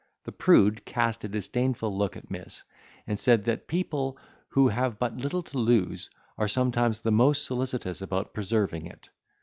The prude cast a disdainful look at Miss, and said that people, who have but little to lose, are sometimes the most solicitous about preserving it.